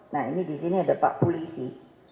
nah ini di sini ada pak polisi